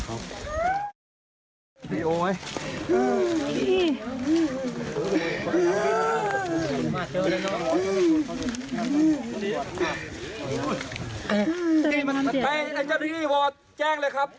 เจ้าที่นี่พ่อแจ้งเลยครับ